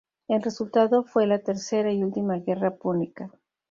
El resultado fue la tercera y última guerra púnica.